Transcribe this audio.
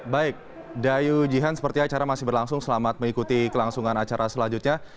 baik dayu jihan seperti acara masih berlangsung selamat mengikuti kelangsungan acara selanjutnya